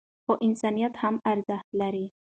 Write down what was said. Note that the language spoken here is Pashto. خو انسانیت هم ارزښت لري.